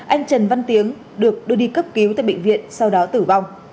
anh trần văn tiếng được đưa đi cấp cứu tại bệnh viện sau đó tử vong